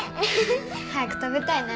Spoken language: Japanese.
早く食べたいね